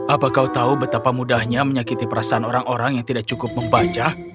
apa kau tahu betapa mudahnya menyakiti perasaan orang orang yang tidak cukup membaca